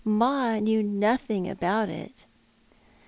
Ma knew nothing about it."